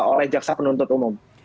oleh jaksa penuntut umum